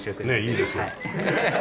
いいですよ。